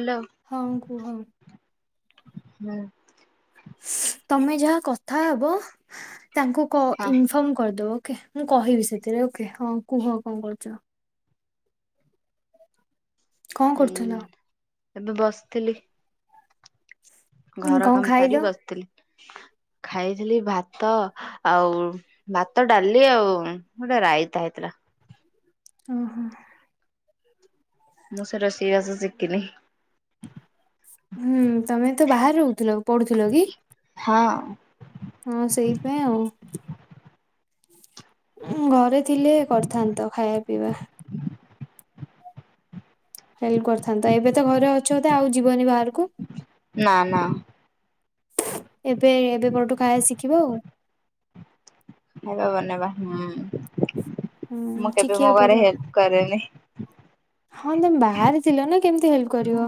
Hello. ହଁ କୁହ। ହୁଁ ତମେ ଯାହା କଥା ହବ ତାଙ୍କୁ କ ହଁ - ଇନଫର୍ମ କରିଦବ ଓକେ। ମୁଁ କହିବି ସେଥିରେ ଓକେ ହଁ କୁହ କଣ କରୁଚ? କଣ କରୁଥିଲ ହୁଁ ଏବେ ବସିଥିଲି। ଆ [unintelligible] ଘର କାମ ସାରିକି ବସିଥିଲି ଖାଇଥିଲି ଭାତ ଆଉ ଭାତ, ଡାଲି, ଆଉ ଗୋଟେ ରାଇତା ହେଇଥିଲା। ଓହୋ। ମୁଁ ସେ ରୋଷେଇବାସ ଶିକିନି। ହୁଁ ତମେ ତ ବାହାରେ ରହୁଥିଲ ପଢୁଥିଲ କି? ହଁ ହଁ ସେଇଥି ପାଇଁ ଆଉ। ଉଁ -ଘରେ ଥିଲେ କରିଥାନ୍ତ ଖାଇବା ପିଇବା। ହେଲ୍ପ୍ କରିଥାନ୍ତା ଏବେ ତ ଘରେ ଅଛ ତ ଆଉ ଯିବନି ବାହାରକୁ? ନା -ନା। ଏବେ- ଏବେ ପରଠୁ ଖାଇବା ଶିଖିବ ଆଉ। ଏବେ ବନେଇବା ହୁଁ ହୁଁ -ମୁଁ କେବେ ମୋ ଶିଖିବାକୁ ଘରେ ପଡିବ ହେଲ୍ପ କରେନି। ହଁ ତମେ ବାହାରେ ଥିଲ ନା କେମିତି ହେଲ୍ପ୍ ଉଁ କରିବ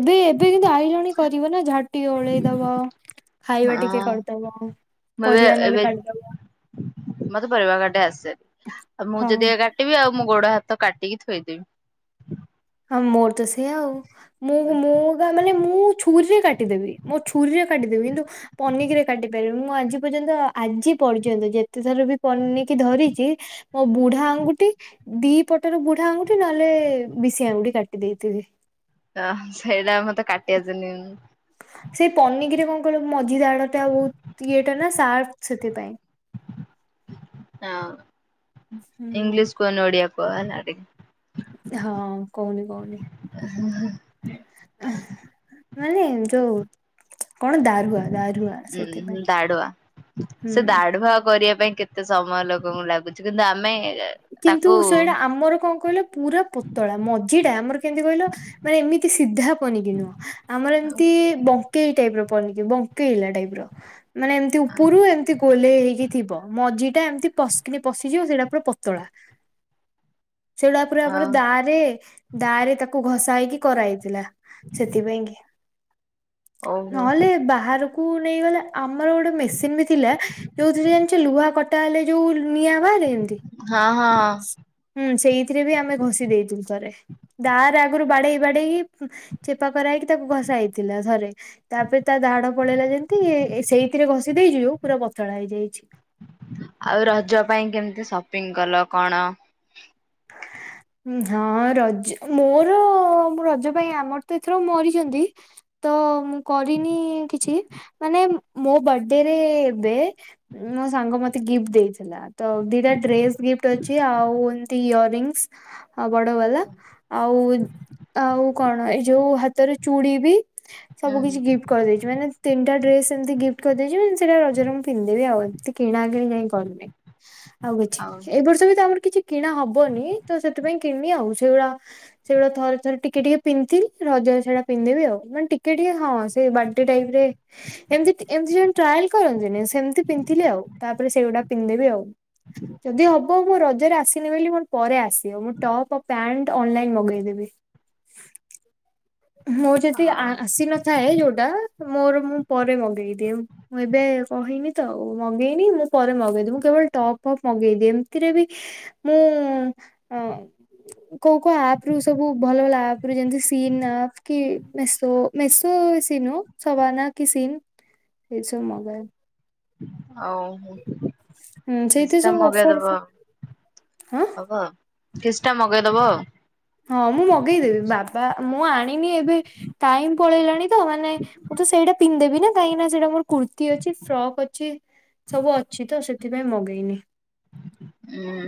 ଏବେ -ଏବେ କିନ୍ତୁ ଆଇଲଣି କରିବ ନା ଝା ଟିକେ ଓଳେଇଦବ ହଁ ଖାଇବା ଟିକେ ମୁଁ କରିଦବ ଏବେ ପରିବା ଏବେ ନହେଲେ କାଟିଦବ। ମତେ ପରିବା କାଟି ଆସେନି ଆଉ ମୁଁ ହଁ ଯଦିକା କାଟିବି ଆଉ ମୁଁ ଗୋଡ ହାତ କାଟିକି ଥୋଇଦେବି। ହଁ ମୋର ତ ସେୟା ଆଉ ମୁଁ -ମୁଁ-ମୁଁ ନା ମାନେ ମୁଁ ଛୁରୀରେ କାଟିଦେବି ମୋ ଛୁରୀରେ କାଟିଦେବି କିନ୍ତୁ ପନିକିରେ କାଟି ପାରିବି ମୁଁ ଆଜି ପର୍ଯ୍ୟନ୍ତ ଆଜି ପର୍ଯ୍ୟନ୍ତ ଯେ ଯେତେଥର ବି ପନିକି ଧରିଚି ମୋ ବୁଢା ଆଙ୍ଗୁଠି ଦି ପଟର ବୁଢା ଆଙ୍ଗୁଠି ନହେଲେ ବିଶି ଆଙ୍ଗୁଠି କାଟି ଦେଇଥିବି। ଅ- ସେଇଟା ମତେ କାଟି ଆସେନି। ସେଇ ପନିକିରେ କଣ କହିଲ ମଝି ଦାଢ ଟା ବହୁତ୍ ଇଏଟା ନା ସାର୍ଫ ସେଥିପାଇଁ। ହଁ ହୁଁ ଇଂଲିଶ କୁହନି ଓଡ଼ିଆ କୁହ ହେଲା। ହଁ କହୁନି- କହୁନି। ମାନେ ଯଉ କଣ ଦାରୁହା-ଦାରୁହା। ଉଁ- ହୁଁ- ଦାଢୁଆ ସେ ଦାଢୁଆ କରିବା ପାଇଁ କେତ୍ ଏତେ ସମୟ ଲୋକଙ୍କୁ ଲାଗୁଚି କିନ୍ତୁ ଆମେ କିନ୍ତୁ ତାକୁ ସେଇଟା ଆମର କଣ କହିଲ ପୁରା ପତଳା ମଝିଟା ଆମର କେମିତି କହିଲ ନାଇଁ ଏମିତି ସିଧା ପନିକି ନୁହଁ ଆମର ହଁ ଏମିତି ବଙ୍କେଇ ଟାଇପ୍ ର ପନିକି ବଙ୍କ୍ ଙ୍କେଇଲା ଟାଇପ୍ ର। ମାନେ ଏମିତି ଉପୁରୁ ଏମିତି ଗୋଲେଇ ହେଇକି ଥିବ ମଝିଟା ଏମିତି ପସ୍ କିନି ପସିଯିବ ସେଇଟା ପୁରା ପ ପତଳା ସେଇଟା ପୁରା ମାନେ ଦା ରେ ଦାଆରେ ତାକୁ ଘସା ହେଇକି କରାହେଇଥିଲା। ସେଥିପାଇଁ କି ଓହ ନହେଲେ ବାହାରକୁ ନେଇଗଲା। ଆମର ଗୋଟେ ମେସିନ ବି ଥିଲା ଯୋଉଥିରେ ଜାଣିଛ ଲୁହା କଟା ହେଲେ ଯୋଉ ନିଆଁ ବାହାରେ ଏମିତି ହଁ ହଁ। ହୁଁ ସେଇଥିରେ ବି ଆମେ ଘଷି ଦେଇଥିଲୁ ଥରେ। ଦାଆ ରେ ଆଗରୁ ବାଡେଇ ବାଡେଇକି ଚେପା କରା ହେଇକି ତାକୁ ଘଷା ହେଇଥିଲା ଥରେ। ତାପରେ ତା ଦାଢ଼ ପଳେଇଲା ଯେମିତି ସେଇଥିରେ ଘଷି ଦେଇଯିବୁ ପୁରା ପତଳା ହେଇଯାଇଛି। ଆଉ ରଜ ପାଇଁ କେମିତି ସପିଙ୍ଗ କଲ କଣ? ହ ହଁ ରଜ ମୋର ରଜ ପାଇଁ ଆମର ତ ଏଥର ମରିଛନ୍ତି। ତ ମୁଁ କରିନି କିଛି ମାନେ ମୋ ବର୍ଥଡେରେ ଏବେ ମୋ ସାଙ୍ଗ ମତେ ଗିଫ୍ଟ ଦେଇଥିଲା ତ ଦିଟା ଡ୍ରେସ ଗିଫ୍ଟ ଅଛି ଆଉ ତି ଇୟର ରଙ୍ଗସ୍ ବଡ ବାଲା। ଆଉ ଆଉ କଣ ଏଇ ଯୋଉ ହାତରେ ଚୁଡି ବି ହୁଁ ସବୁ କିଛି ଗିଫ୍ଟ କରିଦେଇଛି ମାନେ ତିନିଟା ଡ୍ରେସ ଏମିତି ଗିଫ୍ କରିଦେଛି ସେଟା ରଜରେ ମୁଁ ପିନ୍ଧେି ଆଉ କିଣା କିଣି ଯାଇଁ କରୁନି। ଆଉ କିଛି ଏଇ ବର୍ଷ ବି ତ ଆମର କିଛି କିଣା ହବନି ତ ସେଥିପାଇଁ କିଣିନି ଆଉ ସେଗୁଡା ସେଗୁଡା ଥରେ ଥରେ ଟିକେ ଟିକେ ପିନ୍ଧିଥିଲି ରଜରେ ସେଇଟା ପିନ୍ଧିଦେବୀ ଆଉ ମାନେ ଟିକେ ଟିକେ ହଁ। ସେ ବାର୍ଥଡେ ଟାଇମ୍ ରେ ଏମତି ଟି ଏମତି ଜଣେ ଟ୍ରାଏଲ କରନ୍ତିନି ସେମିତି ପିନ୍ଧିଲି ଆଉ। ତାପରେ ସେଗୁଡା ପିନ୍ଧିଦେବି ଆଉ। ଯଦି ହବ ମୁଁ ରଜରେ ଆସି ପରେ ଆସିବ ମୁଁ ଟପ୍ ପ୍ୟାଣ୍ଟ ଅନଲାଇନ ମଗେଇଦେବି। ମୋର ଯଦି ଆ ଆଉ ଆସିନଥାଏ ଯୋଉଟା ମୋର ମୁଁ ପରେ ମଗେଇଦିଏ। ମୁଁ ଏବେ କହିନି ତ ମଗେଇନି ମୁଁ ପରେ ମଗେଇଦି ମୁଁ କେବଳ ଟପ୍ ଫପ୍ ମଗେଇଦିଏ ଏମିତିରେ ବି ମୁଁ ଅ କୋଉ କୋଉ ଆପ ରୁ ସବୁ ଭଲ ଭଲ ଆପ ରୁ ଯେମତି ସିନ୍ ଆପ। କି ମେସୋ ମେସୋ ସିନୁ ସବାନା କି ସିନ୍। ଏଇସବୁ ମଗାଏ। ଆଉ ହୁଁ ସେଇଥିରେ ସେଟା ସବୁ ଅଫର ମଗେଇଦବ ଅଫର ହଁ ହବ। କିଛିଟା ମଗେଇଦବ ଆଉ। ହଁ ମୁଁ ମଗେଇଦେବି ବାବା ମୁଁ ଆଣିନି ଏବେ ଟାଇମ ପଳେଇଲାଣି। ତ ମାନେ ମୁଁ ତ ସେଇଟା ପିନ୍ଧିଦେବି ନା କାହିଁକିନା ସେଇଟା ମୋର କୁର୍ତ୍ତିୀ ଅଛି ଫ୍ରକ୍ ଅଛି ସବୁ ଅଛି ତ ସେଥିପାଇଁ ମଗେଇନି।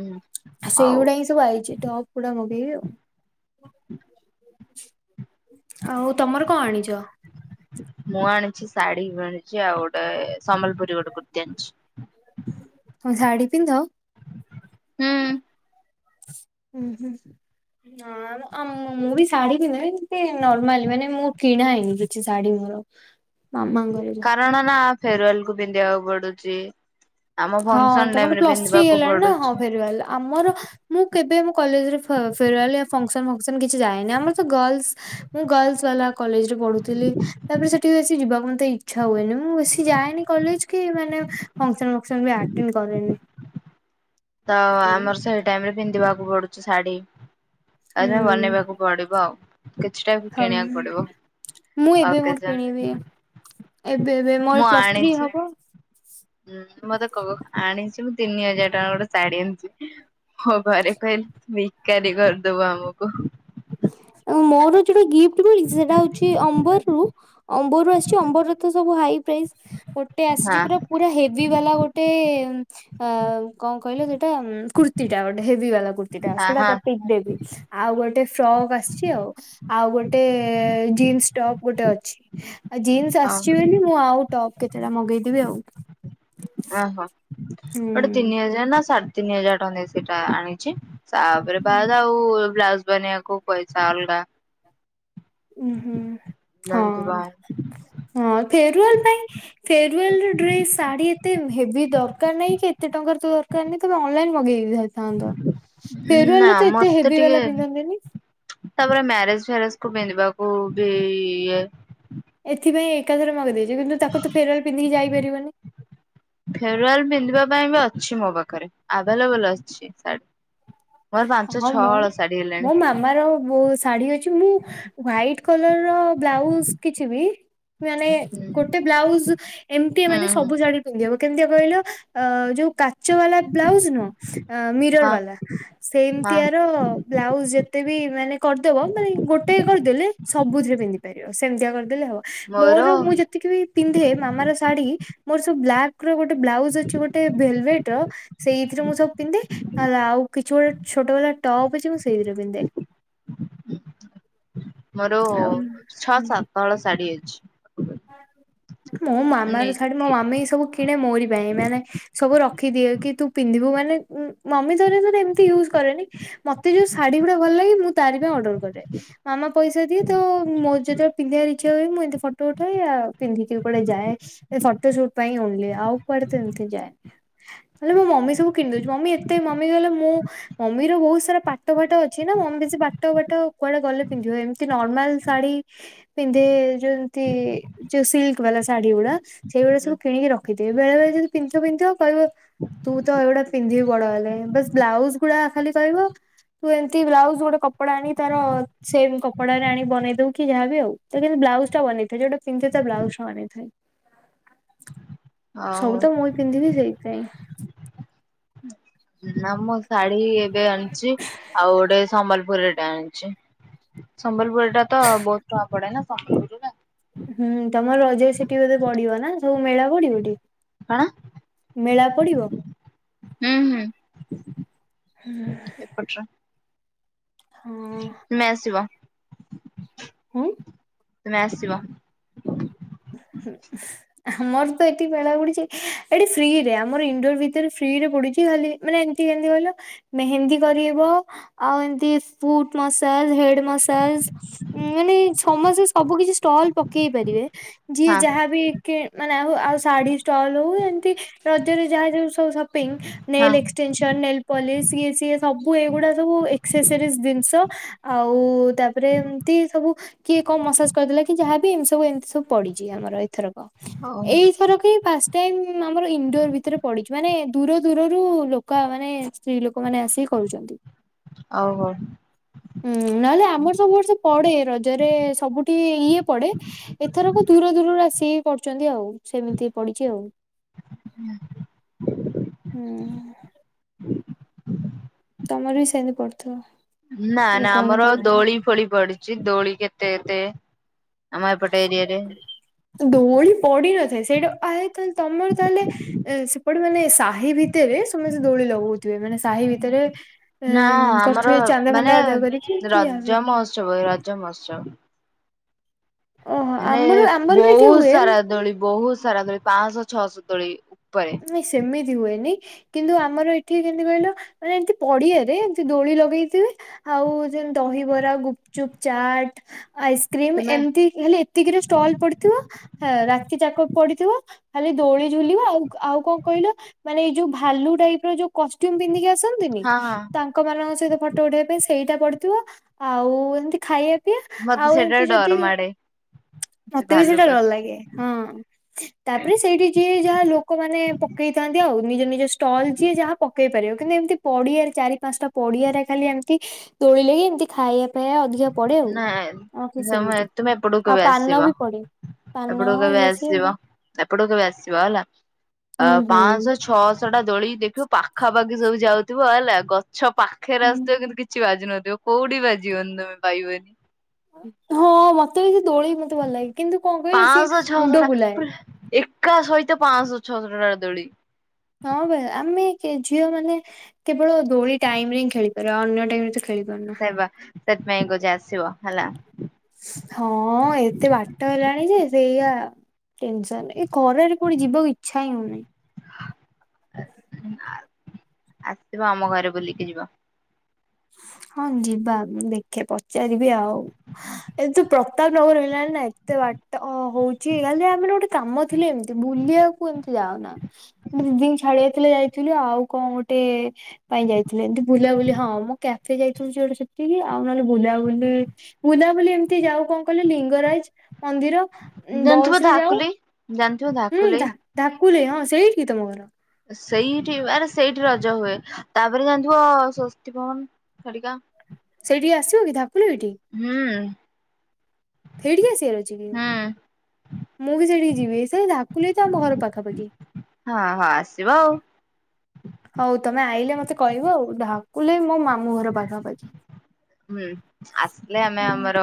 ଉଁ ହଉ। ସେଇଗୁଡା ହିଁ ସବୁ ଆଇଛି ଟପ ଗୁଡା ମଗେଇବି ଆଉ। ଆଉ ତମର କଣ ଆଣିଛ? ମୁଁ ଆଣିଛି ଶାଢୀ ବି ଆଣିଛି ଆଉ ଗୋଟେ ସମ୍ବଲପୁରୀ ଗୋଟେ କୁର୍ତ୍ତିୀ ଆଣିଛି। ତମେ ଶାଢୀ ପିନ୍ଧ? ହୁଁ। ଉହୁଁ ହ। ମୁଁ ବି ଶାଢୀ ପିନ୍ଧିବି ନର୍ମାଲି ମାନେ ମୁଁ କିଣା ହେଇନି କିଛି ଶାଢୀ ମୋର। ମାମାଙ୍କରେ। କାରଣ ନା ଫେରୱାଲ କୁ ପିନ୍ଧିବାକୁ ପଡୁଛି। ଆମ ହଁ ଫଙ୍କସନ ଟାଇମ ତମର ରେ ପ୍ଲସ ଥ୍ରୀ ପିନ୍ଧିବାକୁ ହେଇଗଲାଣି ନା ହଁ ପଡୁଛି। ଫେରୱାଲେ ଆମର ମୁଁ କେବେ ଆମ କଲେଜରେ ଫ ଫେରୱାଲେ ୟା ଫମ୍ପସ ଫମ୍ପସନ୍ କିଛି ଯାଏନି ଆମର ତ ଗଲସ୍ ମୁଁ ଗର୍ଲସ ବାଲା କଲେଜ ରେ ପଢୁଥିଲି। ତାପରେ ସେଠି ବେଶୀ ଯିବାକୁ ମତେ ଇଚ୍ଛା ହୁଏନି ମୁଁ ବେଶସି ଯାଏନି କଲେଜ କି ମାନେ ଫଙ୍କସନ ବି ଆର୍ଟେନ୍ କରେନି। ତ ଆମର ସେଇ ଟାଇମ ରେ ପିନ୍ଧିବାକୁ ପଡୁଛି ଶାଢୀ। ଆରେ ହୁଁ। ବନେଇବାକୁ ପଡିବ ଆଉ କିଛିଟା ବି ହଁ କିଣିବାକୁ ପଡିବ ମୁଁ ଏବେ ଆଉ ମୋର କେଜା କିଣିବି ଏବେ ଏବେ ମୋର ପ୍ଲସ ଥ୍ରୀ ହବ। ହୁଁ ମତେ କହ ଆଣିଛୁ ତିନି ହଜାର ଟଙ୍କା ଗୋଟେ ଶାଢୀ ଆଣିଛିି। ହଁ ଘରେ କହିଲେ ଭିକାରୀ କରିଦବୁ ଆମକୁ। ମୋର ଯୋଉଟା ଗିଫ୍ଟ ମିଳିଛି ସେଟା ହଉଛି ଅମ୍ବରରୁ। ଅମ୍ବରୁ ଆସିଛି ଅମ୍ବରର ତ ସବୁ ହାଇ ପ୍ରାଇସ୍ ଗୋଟେ ଆସିଛି ହଁ ପୁରା ପୁରା ହେଭି ବାଲା ଗୋଟେ ଅ କଣ କହିଲେ ସେଇଟା କୁର୍ତ୍ତିଟା ଗୋଟେ ହେଭି ବାଲା କୁର୍ତ୍ତି। ହଁ ସେଇଟା ହଁ ତ ପିକ ଦେବି ଆଉ ଗୋଟେ ଫ୍ରକ୍ ଆସଛି ଆ ଆଉ ଗୋଟେ ଜିନ୍ସ ଟପ ଗୋଟେ ଅଛି ଆ ଜିନ୍ସ ହଉ ଆସିଛି ବୋଲି ମୁଁ ଆଉ ଟପ୍ କେତେଟା ମଗେଇଦେବି ଆଉ ଓହୋ ହୁଁ। ଗୋଟେ ତିନି ହଜାର ନା ସାଢେ ତିନି ହଜାର ଟଙ୍କା ସେଇଟା ଆଣିଛି। ତାପରେ ବାଦ ହୁଁ। ଆଉ ବ୍ଲାଉଜ ବନେଇବାକୁ ପଇସା ଅଲଗା ଉ ହୁଁ ହଁ ହଁ ଫେରୁୱଲ ପାଇଁ ଫେରୱାଲ ଡ୍ରେସ ଶାଢୀ ଏତେ ହେଭି ଦରକାର ନାହିଁ କି ଏତେ ଟଙ୍କାର ତ ଦରକାର ନାହିଁ ତମେ ଅନଲାଇନ ମଗେଇ ଦେଇଥାନ୍ତ। ନା ଫେରୁୱଲ ତ ଏତେ ମତେ ହେଭି ଟିକେ ବାଲା ପିନ୍ଧନ୍ତିନି। ତାପରେ ମ୍ୟାରେଜ ଫ୍ୟାରେଜ କୁ ପିନ୍ଧିବାକୁ ବି ଇଏ। ଏଥିପାଇଁ ଏକାଥରେ ମଗେଇ ଦେଇଛାର କିନ୍ତୁ ତାକୁ ତ ଫେରୱାଲରେ ପିଧିକି ଯାଇପାରିବନି। ଫେରୱଲ ପିନ୍ଧିବା ପାଇଁ ବି ଅଛି ମୋ ପାଖରେ ଆଭେଲେବଲ ଅଛି। [inaudible] ପାଞ୍ଚ ହଁ ଛଅ ମ ହଳ ଶାଢୀ ହେଲାଣି ମୋ ମାମାର ବହୁତ୍ ଶାଢୀ ଅଛି। ମୁଁ ହ୍ୱାଇଟ କଲର ର ବ୍ଲାଉଜ କିଛିିବି ମାନେ ହୁଁ ଗୋଟେ ବ୍ଲାଉଜ ଏମିତି ହୁଁ ମାନେ ହୁଁ ସବୁ ଜାଣି ପିନ୍ଧିହେବ କେମିତିଆ କହିଲ ଯୋଉ କାଚ ବାଲା ବ୍ଲାଉଜ ନୁହଁ ମିରର ହଁ ବାଲା। ହଁ। ସେମତିଆର ବ୍ଲାଉଜ ଯେତେ ବି ମାନେ କରିଦବ ମାନେ ଗୋଟେ କରିଦେଲେ ସବୁଥିରେ ପିନ୍ଧିପାରିବେ। ସେମିତିଆ କରିଦେଲେ ହବ। ମୋର ମୁଁ ଯେତିକି ବି ପିନ୍ଧେ ମାମାର ଶାଢୀ ମୋର ସବୁ ବ୍ଲାକ ଗୋଟେ ବ୍ଲାଉଜ ଅଛି ଗୋଟେ ଭେଲଭେଟ ର ସେଇଥିରେ ମୁଁ ସବୁ ପିନ୍ଧେ ନହେଲେ ଆଉ କିଛି ଗୋଟେ ଛୋଟ ବାଲା ଟପ୍ ଅଛି ମୁଁ ସେଇଥିରେ ପିନ୍ଧେ। ମୋର ଆଉ ଛଅ ହୁଁ। ସାତ ହଳ ଶାଢୀ ଅଛି। ମୋ ମୁଁ ମାମାର ନେଇଚି। ଶାଢୀ ମୋ ମାମା ଏଇ ସବୁ କିଣେ ମୋରି ପାଇଁ ମାନେ ସବୁ ରଖିଦିଏ କି ତୁ ପିନ୍ଧିବୁ ମାନେ ମମି ତର ତ ଏମିତି ୟୁଜ କରେନି। ମତେ ଯୋଉ ଶାଢୀ ଗୁଡା ଭଲ ଲାଗେ ମୁଁ ତାରି ପାଇଁ ଅର୍ଡର କରେ। ମାମା ପଇସା ଦିଏ ତ ମୋ ଯେତେବେଳେ ପିନ୍ଧିବାର ଇଛା ହୁଏ ମୁଁ ଏନ୍ତି ଫ ଫଟ ଉଠାଏ ପିନ୍ଧିକି କୁଆଡେ ଯାଏ ଫଟୋ ସୁଟ ପାଇଁ ଓନ୍ଲି ଆଉ କୁଆଡେ ତ ଏମିତି ଯାଏନି? ନେଲେ ମୋ ମମି ସବୁ କିଣିଦଉଛି ମମି ଏତେ ମମି ନହଲେ ମୁଁ ମମିର ବହୁତ ସାରା ପାଟ ଫାଟ ଅଛି ନା ମମି ସେ ପାଟ ବାଟ କୁଆଡେ ଗଲେ ପିନ୍ଧିବ ଏମିତି ନର୍ମାଲ ଶାଢୀ ପିନ୍ଧେ ଯେ ଯୋଉ ସିଲ୍କ ବାଲା ଶାଢୀ ଗୁଡା ସେଇଗୁଡା ହୁଁ ସବୁ କିଣିକି ରଖିଥି ବେଳେ ବଳେ ଯଦି ପିନ୍ଧିଥିବ ପିନ୍ଧିଥିବ କହିବ ତୁ ତ ଏଗୁଡା ପିନ୍ଧିବି ବଡ ହେଲେ ବାସ ବ୍ଲାଉଜ ଗୁଡା ଖାଲି କହିବ ତୁ ଏମିତି ବ୍ଲାଉଜ ଗୋଟେ କପଡା ଆଣି ତାର ସେମ କପଡାରେ ଆଣି ବନେଇ ଦଉ କି ଯାହାବି ଆଉ। ତ କିନ୍ତୁ ବ୍ଲାଉଜ ଟା ବନେଇଥାଏ। ଯୋଉଟା ପିନ୍ଧେ ତା ବ୍ଲାଉଜ ଟା ବନେଇଥାଏ। ଆଉ ସବୁ ତ ମୁଇ ପିନ୍ଧିବି ସେଇଥି ପାଇଁ। ନା ମୁଁ ଶାଢୀ ଏବେ ଆଣିଚି। ଆଉ ଗୋଟେ ସମ୍ବଲପୁରୀ ଟେ ଆଣିଚି। ସମ୍ବଲପୁରି ଟା ତ ବହୁତ ଟଙ୍କା ପଡେ ନା କ? ହୁଁ ତମର ରଜ ସେଠି ବୋଧେ ପଡିବ ନା ସବୁ ମେଳା ପଡିବ ଟି? କଣ ମେଳା ପଡ଼ିବ? ହୁଁ ହୁଁ ହୁଁ। ଆଛା। ହୁଁ। ମେ ଆସିବ। ହୁଁ? ତୁମେ ଆସିବ। ହୁଁ [inaudible] ଆମର ତ ଏଠି ଭେଳା ବୁଡିଚି ଏଠି ଫ୍ରିରେ ଆମର ଇଣ୍ଡୋର ଭିତରେ ଫ୍ରି ରେ ବୁଡିଚି ଖାଲି ମାନେ ଏମିତି କେମିତି କହିଲ ମେହେନ୍ଦୀ କରିହେବ ଆଉ ଏମିତି ଫୁଟ ମସାଜ ହେଡ ମସାଜ। ଉଁ ମାନେ ସମସ୍ତେ ସବୁ କିଛି ଷ୍ଟଲ ପକେଇ ପାରିବେ। ଯିଏ ହଁ ଯାହାବି କି ମାନେ ଆଉ ଆଉ ଶାଢୀ ଷ୍ଟଲ ହଉ ଏମିତି ରଜରେ ଯାହା ଯୋଉ ସବୁ ସପିଙ୍ଗ ହଁ ନେଲ୍ ଏକ୍ସଟେନ୍ସନ ନେଲ୍ ପଲିସ୍ ଇଏ ସିଏ ସବୁ ଏଗୁଡା ସବୁ ଏକ୍ସେସରିସ ଜିନିଷ। ଆଉ ତାପରେ ଏମିତି ସବୁ କିଏ କଣ ମସାଜ କରିଦେଲା କି ଯାହାବି ଏମିତି ସବୁ ଏମିତି ସବୁ ପଡିଚି ଆମର ଏଥର। ହଉ ଏଇ ଏଥରକ ହିଁ ଫାଷ ଟାଇମ ଆମର ଇନଣ୍ଡୋର ଭିତରେ ପଡିଚି ମାନେ ଦୂର ଦୂରରୁ ଲୋକ ମାନେ ସ୍ତ୍ରୀ ଲୋକମାନେ ଆସିିକି କରୁଚନ୍ତି। ଆଉ ହଉ। ହୁଁ ନହେଲେ ଆମର ସବୁ ବର୍ଷ ପଡେ ରଜରେ ସବୁଠି ଇଏ ପଡେ ଏ [unintelligible] ଆସି ପଢୁଚନ୍ତି ଆଉ ସେମିତି ପଡିଚି ଆଉ। ହୁଁ। ଫାଙ୍କା ଅଡିଓ ତମର ବି ସେମିତି ପଡୁଥିବ। ନା ନା ଆମର ଦୋଳି ଫୋଳି ପଡିଚି। ଦୋଳି କେତେ କେତେ ଆମ ଏପଟ ଏରିଆରେ ଦୋଳି ପଡ଼ି ନଥାଏ ସେଇଟା ଆ ତାହେଲେ ତମର ତାହେଲେ ସେପଟେ ମାନେ ସାହି ଭିତରେ ସମସ୍ତେ ଦୋଳି ଲଗଉଥିବେ ମାନେ ସାହି ଭିତରେ ନା ଉମ ଆମର କରିଥିବେ ଚାନ୍ଦା ମାନେ ଫାନ୍ଦା ଆଦାୟ କରିକି ରଜ [unintelligible] [unintelligible] ରଜ ମହୋତ୍ସବ। ଓହୋ ମାନେ ଆମର ଆମର ବି ଏଠି ବହୁତ ହୁଏ ସାରା ଦୋଳି ବହୁତ ସାରା ଦୋଳି ପାଁଶହ ଛଅଶହ ଦୋଳି ଉପରେ। ନାଇଁ ସେମିତି ହୁଏନି। କିନ୍ତୁ ଆମର ଏଠି କେମିତି କହିଲ ମାନେ ଏମତି ପଡିଆରେ ଏମିତି ଦୋଳି ଲଗେଇଥିବେ ଆଉ ଯେମ ଦହିବରା ଗୁପଚୁପ୍ ଚାଟ ଆଇସ୍କ୍ରିମ ତୁମେ ଏମତି ଇଏ ଖାଲି ଏତିକିରେ ଷ୍ଟଲ ପଡିଥିବ ରାତି ଯାକ ପଡିଥିବ ଖାଲି ଦୋଳି ଝୁଲିବ ଆଉ ଆଉ କଣ କହିଲ ମାନେ ଏଇ ଯୋଉ ଭାଲୁ ଟାଇପ ର ଯୋଉ କଷ୍ଟ୍ୟୁମ ପିନ୍ଧିକି ଆସନ୍ତିନି ହଁ ହଁ ତାଙ୍କ ତାଙ୍କ ମାନଙ୍କ ସହିତ ଫଟୋ ଉଠେଇବା ପାଇଁ ସେଇଟା ପଡିଥିବ। ଆଉ ଏମତି ଖାଇବା [unintelligible] ଆଉ ମତେ ସେଇଟା ଏମିତି ଯଦି। ଡର ମାଡେ ସେ ମତେ ବି ସେଇଟା ଭାଲୁକୁ ଡର ଲାଗେ ହଁ ତାପରେ ସେଇଠି ଯିଏ ଯାହା ଲୋ ଲୋକମାନେ ପକେଇଥାନ୍ତି ଆଉ ନିଜ ନିଜ ଷ୍ଟଲ ଯିଏ ଯାହା ପକେଇ ପାରିବ କିନ୍ତୁ ଏମିତି ପଡ଼ିଆରେ ଚାରି ପାଞ୍ଚଟା ପଡିଆରେ ଖାଲି ଏମିତି ତୋଳିଲେ ହିଁ ଏମିତି ଖାଇବା ଏୟା ଅଧିକା ପଡେ ଆଉ ନା ଅଖେ ତମେ ସେମିତି ତୁମେ ଏପଟକୁ ଆଉ କେବେ ଆସିବ ପାନ ବି ପଡେ। ପାନ ଏପଟକୁ କେବେ ଇଏ ସିଏ ଆସିବ ଏଉଡା। ଏପଟକୁ କେବେ ଆସିବ ହେଲା ଅ ହୁଁ ହୁଁ। ପାଞ୍ଚଶ ଛଅଶ ଶ ଟା ଦୋଳିକି ଦେଖିବ ପାଖାପାଖି ସବୁ ଯାଉଥିବ ହେଲା ଗଛ ପାଖରେ ଆସୁଥିବ କିନ୍ତୁ କିଛି ବାଜୁ ନଥିବ କୋଉଠି ବାଜିବନି ତମେ ପାଇବନି। ହଁ ମତେ ବି ସେ ଦୋଳି ମତେ ଭଲ ଲାଗେ କିନ୍ତୁ କଣ କହିଲୁ ସିଏ ପାଁଶହ ଛଅଶହ ମୁଣ୍ଡ ଟା ବୁଲାଏ। ପୁରା ଏକା ସହିତ ପାଞ୍ଚଶ ଛଅଶହ ଟା ଦୋଳି। ହଁ ବା ଆମେ ଝିଅ ମାନେ କେବଳ ଦୋଳି ଟାଇମ ରେ ହି ଖେଳିପାରିବା ଅନ୍ୟ ଟାଇମ ରେ ତ ଖେଳିପାରୁନା। ସେଇ ବା ସେଥିପାଇଁ କହୁଛି ଆସିବ ହେଲା। ହଁ ଏତେ ବାଟ ହେଲାଣି ଯେ ସେଇଆ ଟେନ୍‌ସନ୍। ଖରାରେ କୁଆଡ଼େ ଯିବାକୁ ଇଛା ହିଁ ହଉନି। ଆ ଆସିବ ଆମ ଘରେ ବୁଲିକି ଯିବ। ହଁ ଯିବା ମୁଁ ଦେଖେ ପଚାରିବି ଆଉ, ଏ ତୁ ପ୍ରତାପ ନଗର ହେଲାଣି ନା ଏତେ ବାଟ ଅ ହଉଛି କାଲି ଆମର ଗୋଟେ କାମ ଥିଲେ ଏମତି ବୁଲିୟାକୁ ଏମତି ଯାଉନା। ମୁଁ ଦିଦିଙ୍କି ଛାଡି ଥିଲେ ଯାଇଥିଲି ଆଉ କଅଁ ଗୋଟେ ପାଇଁ ଯାଇଥିଲେ ଏମିତି ବୁଲିୟାବୋଲି ହଁ ମୁଁ କ୍ୟାଫେ ଯାଇଥିଲୁ ସିଏ ଗୋଟେ ସେତିକି, ଆଉ ନହେଲେ ବୁଲାବୁଲି, ବୁଲା ବୁଲି ଏମିତି ଯାଉ କ କଇଲେ ଲିଙ୍ଗରାଜ୍ ମନ୍ଦିର ଉଁ ଜାଣିଥିବ ବସ୍ ରେ ଯାଉ ଧାକୁଲେଇ ଜାଣିଥିବ ଉଁ ଧାକୁଲେଇ। ଯା ଧାକୁଲେଇ, ହଁ ସେଇଠିକି ତମ ଘର? ସେଇଠି ଆରେ ସେଇଠି ରଜ ହୁଏ, ତାପରେ ଜାଣିଥିବ ସ୍ଵସ୍ତି ଭବନ ହେରିକା? ସେଇଠିକି ଆସିବ କି ଧାକୁଲୁ ଏଠି। ହୁଁ। ଏଇଠୀକି ଆସିବାର ଅଛିି କି? ହୁଁ ମୁଁ ବି ସେଠିକି ଯିବି ସେଇ ଧାକୁଲେଇ ତ ଆମ ଘର ପାଖାପାଖି। ହଁ ହଁ ଆସିବ ଆଉ। ହଉ ତମେ ଆଇଲେ ମତେ କହିବ ଆଉ, ଢ଼ ଢାକୁଲେଇ ମୋ ମାମୁଁ ଘର ପାଖାପାଖି। ହ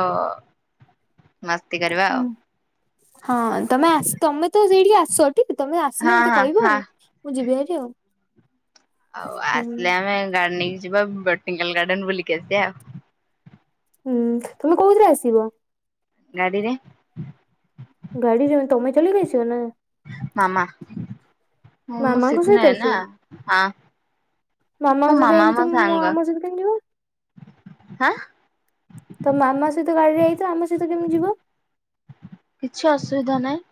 ମାସ୍ତି କରିବା ଆଉ। ହଁ ତମେ ଆ ତମେ ତ ସେଇଠିକି ଆସ ଟି ତମେ ହଁ ଆସିଲେ ମତେ ହଁ କହିବ ହଁ। ଆଉ। ମୁଁ ଯିବି ହାରି ଆଉ। ଆଉ ହୁଁ ଆସିଲେ ଆମେ ଗାଡ ନେଇଯିବା ବଟନିକାଲ ଗାର୍ଡେନ ବୁଲିକି ଆସିବା ଆଉ। ହୁଁ ତମେ କୋଉଥିରେ ଆସିବ? ଗାଡ଼ିରେ। ଗାଡିଯ ତମେ ଚଲେଇକି ଆସିବ ନା? ମାମା, ମୁଁ ମାମାଙ୍କ ଶିଖି ସହିତ ଆସିବ? ନେଇନା, ହଁ। ମାମାଙ୍କ ମୋ ସହିତ ମାମା ଆଇଲେ, ମୋ ତମେ ସାଙ୍ଗ ଆମ ସହିତ କେମତି ଯିବ? ହାଁ। ତ ମାମା ସହିତ ଗାଡି ରେ ଆଇଥିବ ଆମ ସହିତ କେମତି ଯିବ? କିଛି ଅସୁବିଧା ନାହିଁ।